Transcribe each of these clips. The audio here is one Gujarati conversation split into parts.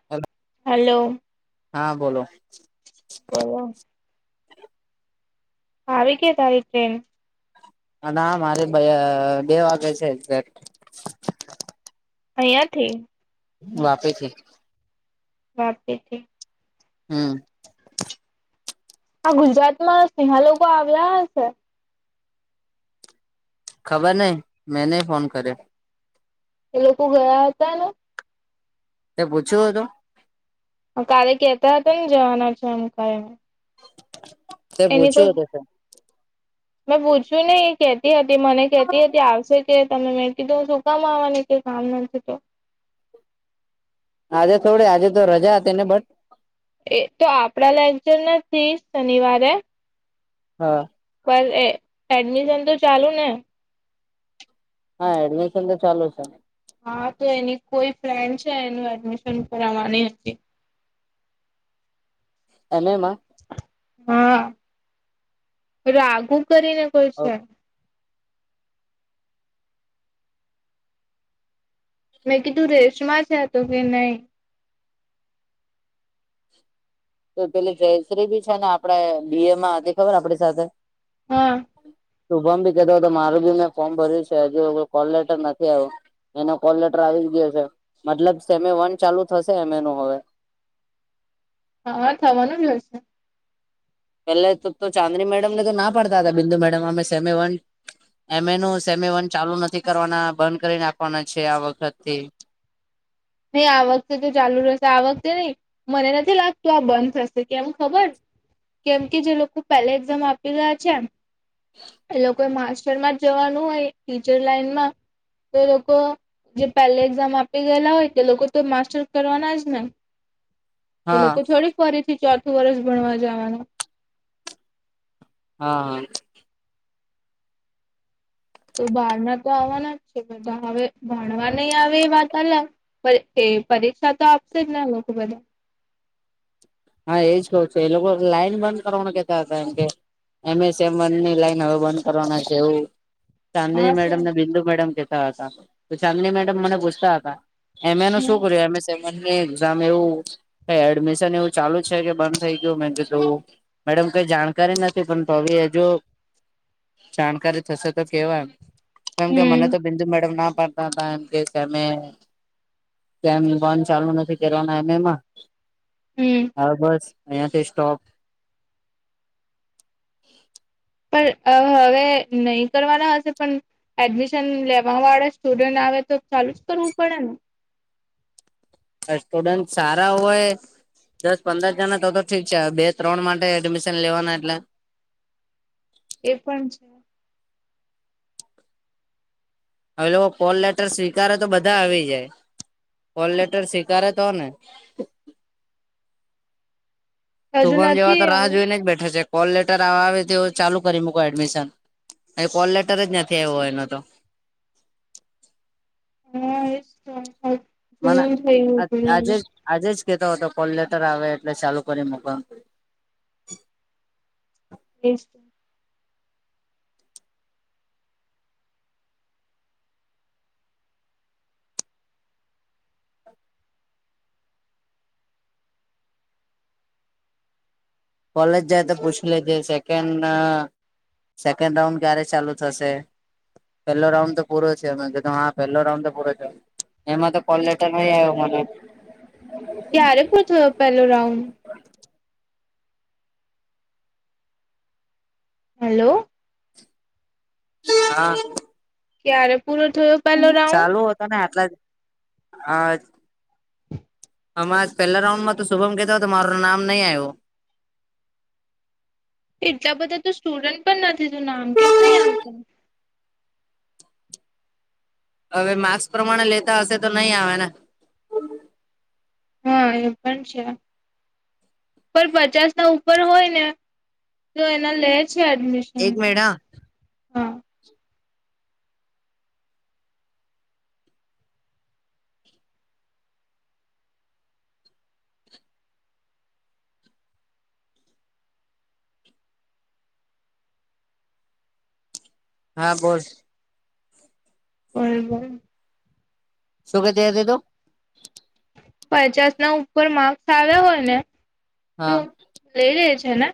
[unintelligible] હાલો હા બોલો બોલો આવી ગઈ તારી ટ્રેન ના મારે બે વાગે છે એક્ઝેક્ટ અહીંયા થી વાપી થી વાપી થી હમ આ ગુજરાતમાં સ્નેહા લોકો આવ્યા હશે ખબર નઈ મેં નઈ ફોન કર્યો એ લોકો ગયા હતાને. તે પૂછ્યું હતું? અહ કાલે કહેતા હતાને જવાના છે એમ કરીને. તે એની પૂછ્યું કોઈ હતું કે? મેં પૂછ્યું નહીં, એ કહેતી હતી મને કહેતી હતી આવશે જ કે તમે મેં કીધું શું કામ આવવાની કંઈ કામ નથી તો? આજે થોડી, આજે તો રજા હતી ને બટ. એ તો આપણા લેક્ચર નથી શનિવારે. હા. પણ એ એડમિશન તો ચાલુને? હા એડમિશન તો ચાલુ છે. હા તો એની કોઈ ફ્રેન્ડ છે, એનું એડમિશન કરાવવાની હતી. એમ એ માં? હા. રાઘુ કરીને કોઈ છે. મેં કીધું રેશમા છે? તો કે નહીં. તે પેલી જયશ્રી બી છે ને આપણે બી એમાં હતી ખબર આપણી સાથે. હા. શુભમ ભી કહેતો તો મારુ બી મેં ફોર્મ ભર્યું છે. હજુ હવે કોલલેટર નથી આયું. એનો કોલલેટર આવી ગયો છે. મતલબ સેમે વન ચાલુ થશે એમ એ નું હવે. અહં થવાનું જ હોય હશે. પેલે તો-તો ચાંદની મેડમને તો ના પાડતા તા બિંદુ મેડમ, અમે સેમે વન એમ એ નું સેમે વન ચાલુ નથી કરવાના, બંધ કરી નાખવાના છે આ વખતથી. નહીં આ વખતે તો ચાલુ રહેશે. આ વખતે નહીં. મને નથી લાગતું આ બંધ થશે. કેમ ખબર? કેમ કે જે લોકો પહેલા એક્ઝામ આપી ગયા છે, એ લોકો એ માસ્ટરમાં જવાનું હોય ટીચર લાઈનમાં, તો લોકો જે પેલા એક્ઝામ આપી ગયેલા હોય એ લોકો તો માસ્ટર કરવાનાજ ને. એ હા લોકો થોડી ફરીથી ચોથું વર્ષ ભણવા જાવાના. હા, હા. તો બહાર ના તો આવવાના જ છે, પણ હવે ભણવા નહીં આવે એ વાત અલગ. [unintelligible] એ પરીક્ષા તો આપશે જ ને એ લોકો બધા. હા એજ કહું છું. એ લોકો લાઈન બંધ કરવાનું કહેતા હતા એમ કે. એમ એ સેમ વનની લાઈન હવે બંધ કરવાના છે એવું. ચાંદની હા મેડમ શું અને બિંદુ મેડમ કહેતા હતા. તો ચાંદની મેડમ મને પૂછતા હતા એમ એ નું શું હમ કર્યું? એમ એ સેમ વનની એક્ઝામ એવું એ એડમિશન એવું ચાલુ છે કે બંધ થઈ ગયું. મે કીધું મેડમ કંઈ જાણકારી નથી. પણ તો ભી હે જો જાણકારી થશે તો કહેવા એમ. કેમ કે મને હમ તો બિંદુ મેડમ ના પાડ તા તા એમ કે કેમે, સેમ વન ચાલુ નથી કરવાના એમ એ માં. હમ્મ. હવે બસ અહિયાંથી સ્ટોપ પણ અહ હવે નહીં કરવાના હશે પણ એડમિશન લેવા વાળા સ્ટુડન્ટ આવે તો ચાલુ જ કરવું પડેન. પણ સ્ટુડન્ટ સારા હોય દસ પંદર જણા તો-તો ઠીક છે. હવે બે-ત્રણ માટે એડમિશન લેવાના એટલે એ પણ છે. હવે લોકો કોલ લેટર સ્વીકારે તો બધા આવી જાય કોલ લેટર સ્વીકારે તો ને હજુ શુભમ જેવા નથી તો રાહ હવે જોઈને જ બેઠા છે કોલ લેટર આવે તેવું ચાલુ કરી મૂકો એડમિશન એને કોલ લેટર જ નથી આવ્યો એને તો મને આજે [unintelligible] આજે જ કહેતો હતો કોલ લેટર આવે એટલે ચાલુ કરી મૂકવાનું [inaudible] કોલેજ જાય તો પૂછ લેજે સેકન્ડ સેકન્ડ રાઉન્ડ ક્યારે ચાલુ થશે પેલો રાઉન્ડ તો પૂરો છે મે કીધું હા પેહેલો રાઉન્ડ તો પૂરો છે એમાં તો કોલ લેટર નહી આવ્યો મને ક્યારે પૂરો થયો પેલો રાઉન્ડ હલો હા ક્યારે પૂરો થયો પેલો રાઉન્ડ ચાલુ હું તને આટલા જ હા હમણાં જ પેલા રાઉન્ડ માં તો શુભમ કેતો હતો મારું નામ નહીં આવ્યું એટલા બધા તો સ્ટુડન્ટ પણ નથી તો નામ કેમ નહી આવ્યું હવે માર્ક્સ પ્રમાણે લેતા હશે તો નહી આવેને હા એ પણ છે પણ પચાસ ના ઉપર હોય ને તો એને લે છે એડમિશન એક મિનિટ હા હા હા બોલ [unintelligible] શું કેતી હતી તું પચાસ ના ઉપર માર્ક્સ આવ્યા હોય ને તો હા લઈ લે છે ને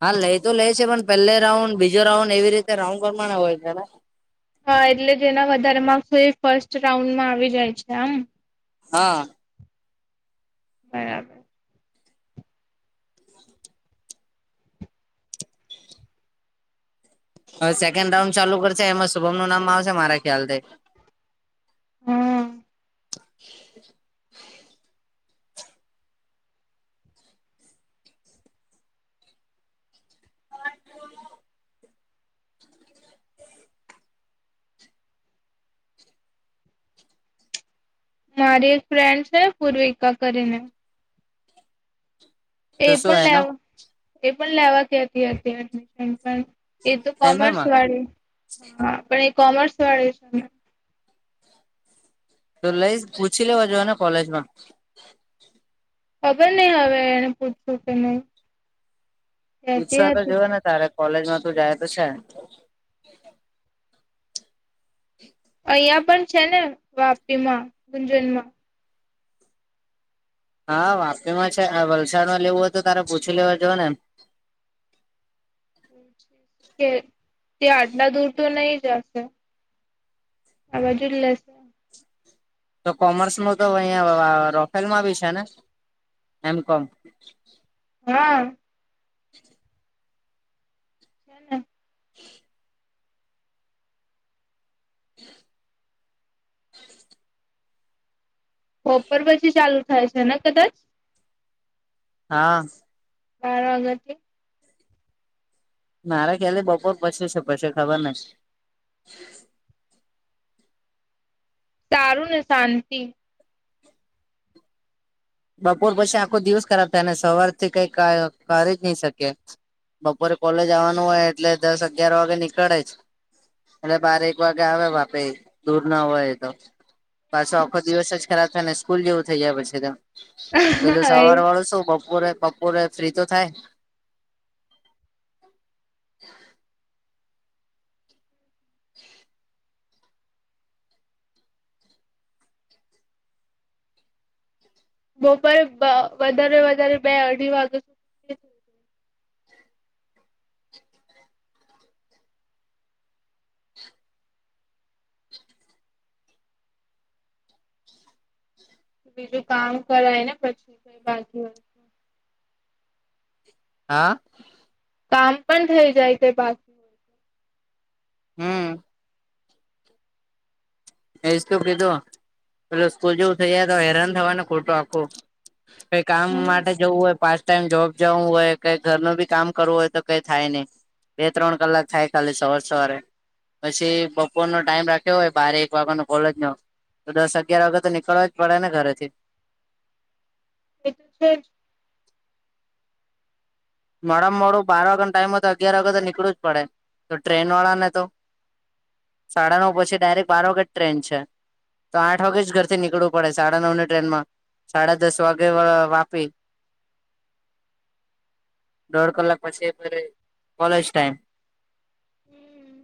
હા લઈ તો લે છે પણ પહેલે રાઉન્ડ બીજો રાઉન્ડ એવી રીતે રાઉન્ડ પ્રમાણે હોય છે ને હા એટલે જેના વધારે માર્ક્સ હોય એ ફર્સ્ટ રાઉન્ડમાં આવી જાય છે એમ હા હા યાર હવે સેકન્ડ રાઉન્ડ ચાલુ કરશે એમાં શુભમ નું નામ આવશે મારા ખ્યાલથી હમ. [inaudible] મારી એક ફ્રેન્ડ છે પૂર્વિકા કરી ને એ તો શું પણ એનું લેવા એ પણ લેવા કેતી હતી એડમિશન એ તો એમ કોમર્સ એમાં વાળી હા પણ એ કોમર્સ વાળી છે તો લઇશ પૂછી લેવા જોને કોલેજ માં ખબર નય હવે એને પૂછ્યું કે નહી કેતી પૂછવાતો જવાય હતી ને તારે કોલેજ માં તો જાય તો છે. આયા પણ છે ને વાપી માં ગુંજન માં હા વાપી માં છે વલસાડમાં લેવું હોય તો તારે પૂછી લેવા જવ ને એમ કે તે આટલા દૂર તો નય જશે આ બાજુ જ લે તો કોમર્સનું તો અહિયાં રોફેલમાં બી છે ને એમ કોમ હા [inaudible] છેને [inaudible] [inaudible] બપોર પછી ચાલુ થાય છે ને કદાચ હા બાર ઑગસ્ટથી મારા ખ્યાલથી બપોર પછી છે પછી ખબર નય સારું ને શાંતિ બપોર પછી આખો દિવસ ખરાબ થાય ને સવારથી કઈ કરી જ ની સકે બપોરે કોલેજ આવવાનું હોય એટલે દસ અગિયાર વાગે નીકળે જ એટલે બાર એક વાગે આવે વાપી દૂર ના હોઈ તો પાછો આખો દિવસ જ ખરાબ થાય ને સ્કૂલ જેવું થઇ જાય પછી તો પેલું સવાર વળુશું બપોરે બપોરે ફ્રી તો થાય બપોરે વધારે વધારે બે અઢી વાગે સુધી બીજું કામ કરાય ને પછી કઈ બાકી હા કામ પણ થઈ જાય જે બાકી હમ્મ છે હમ્મ એજ તો કીધું પેલુ સ્કૂલ જેવું થઈયા તો હેરાન થવાનું ખોટો આખું કઈ કામ હમ માટે જવું હોઈ પાસ ટાઇમ જોબ જાઉં હોય કે ઘર નું બી કામ કરવું હોય તો કંઈ થાય નય બે ત્રણ કલાક થાય ખાલી સવાર સવારે પછી બપોરનો ટાઈમ રાખ્યો હોય બાર એક નો કોલેજ જાઉં તો દશ અગિયાર વાગે તો નિકળવાજ પડે ને ઘરે થી તે જ મોડામાં મોડું બાર વાગ્યે નો ટાઈમ હોય તો અગિયાર વાગે તો નીકળવું જ પડે જો ટ્રેન વાળા ને તો સાડા નવ પછી ડાયરેક્ટ બાર વાગ્યેજ ટ્રેન છે. તો આઠ વાગેજ ઘર થી નીકળવું પડે સાડા નવ ની ટ્રેન માં સાડા દસ વાગે વાપી દોઢ કલાક પછી કોલેજ ટાઈમ હમ્મ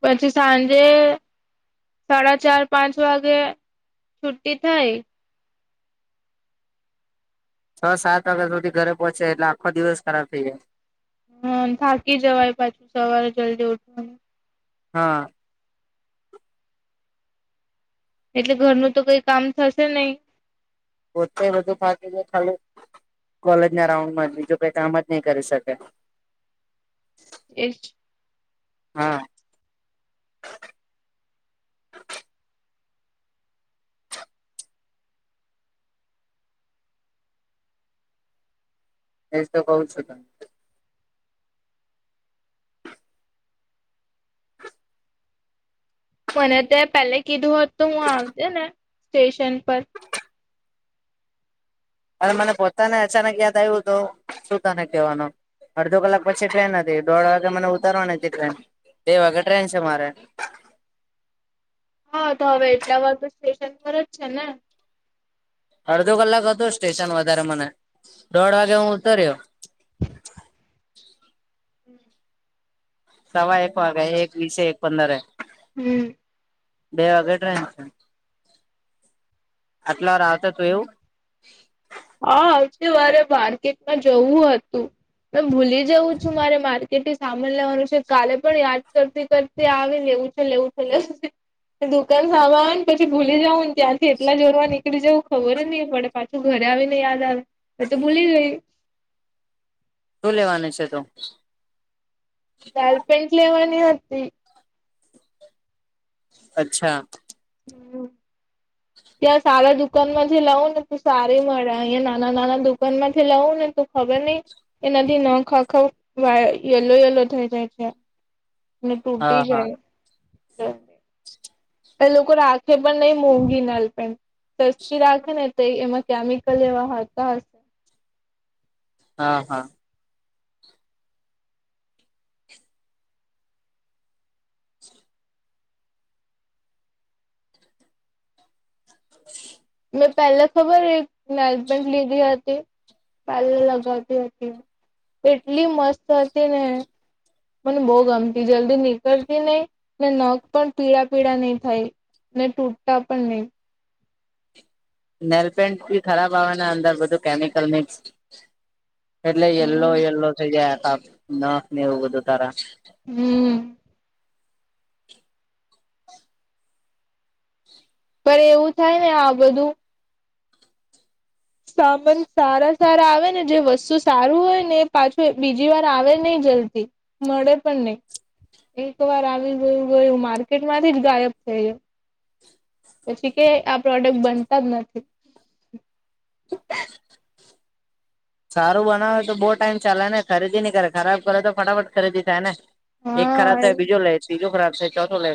પછી સાંજે. સાડા ચાર પાંચ વાગે છુ્ટી થાય. છ સાત વાગ્યા સુધી ઘરે પહોંચે એટલે આખો. દિવસ ખરાબ થઈ જાય હા થાકી જવાય પાછું સવારે જલ્દી ઉઠવાનું. હા એટલે ઘરનું તો કઈ કામ થશે નહી પોતે બું ફાકી ખા કોલેજ ના રાઉન્ડમાં જ બીજું કઈ કામ જ નહી કરી શકે એ જ ને હા એ તો બઉ છ મને તે પેલે કીધું હોત તો હું આવજે ને સ્ટેશન પર. એ મને પોતાને અચાનક યાદ આવ્યું તો શું તને કહેવાનું. અડધો કલાક પછી ટ્રેન હતી દોઢ વાગે મને ઉતરવાની હતી ટ્રેન બે વાગે ટ્રેન છે, મારે હ તો હવે એટલા વાર તો સ્ટેશન પર જ છે, ને અડધો કલાક હતો સ્ટેશન વધારે મને દોઢ વાગે હું ઉતર્યો હમ. સવા એક વાગે એક વીસ એક પંદરે હમ. બે વાગે ટ્રેન છે, આટલા વાર આવતે તો એવું હા આવતી વારે માર્કેટમાં જવું હતું મે ભૂલી જઉં છું મારે માર્કેટથી સામાન લેવાનું છે, કાલે પણ યાદ કરતી કર તે આવે લેવું છે, લેવું છે, લેવું છે. દુકાન સામા આવે ને પછી ભૂલી જઉ ને ત્યાંથી એટલા જોરમાં નીકળી જવું ખબર જ નહીં પડે પાછું ઘરે આવીન ને યાદ મે તો ભુલી ગઈ શું લેવાનું છે, તો [unintelligible] પેન્ટ લેવાની હતી. અચ્છા. હમ. ત્યાં સારા દુકાનમાંથી લઉં ને તું સારી મળે અહીંયા નાના નાના દુકાનમાંથી લઉં ને તો ખબરની એનાથી ન ખખ વા યલો યલો થઈ જાય છે. ને ટૂટી હા હા જાય એ લોકો રાખે પણ નઈ મોંઘી નાલ પેન સસ્તી રાખે ને તે એમાં કેમિકલ એવા હતા હા હા. [inaudible] મેં પહેલા ખબર એક મેજમેન્ટ લીધી હતી પહેલા લગાવતી હતી એટલી મસ્ત હતી ને મને બૈ ગમતી જલ્દી નીકળતી નહિ ને નખ પણ પીળા પીળા નહી થાય ને તૂટતા પણ નહીં. નેલ પેન્ટ બી ખરાબ આવેને અંદર બધું કેમિકલ મિક્સ એટલે યલો યલો થઈ જાય ન ને એવું બધું તારા. હમ. પર એવું થાય ને આ બધું સામાન સારા સારા આવે ને જે વસ્તુ સારું હોય ને પાછું બીજી વાર આવે નય જલ્દી મળે પણ નહીં. એક વાર આવી ગયું ગયુ માર્કેટ માંથી જ ગાયબ [unintelligible] પછી કે આ પ્રોડક્ટ બનતા જ નથી. સારું બનાવે તો બો ટાઈમ ચાલે ને ખરીદી નહી કરે ખરાબ કરે તો ફટાફટ ખરીદી થાય ને એક ખરાબ હા થાય બીજો લે ત્રીજો ખરાબ થાય ચોથો લે